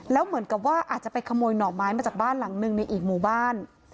แล้วเหมือนกับว่าอาจจะไปขโมยหน่อไม้มาจากบ้านหลังหนึ่งในอีกหมู่บ้าน